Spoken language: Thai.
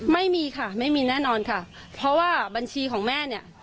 ไม่มีค่ะไม่มีแน่นอนค่ะเพราะว่าบัญชีของแม่เนี่ย